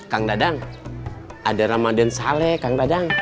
kang dadang ada ramadhan saleh kang dadang